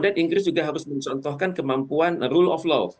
jadi kita harus mencontohkan kemampuan rule of law